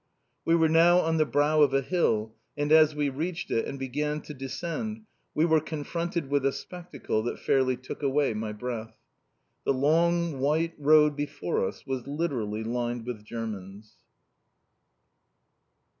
We were now on the brow of a hill, and as we reached it, and began to descend, we were confronted with a spectacle that fairly took away my breath. The long white road before us was literally lined with Germans.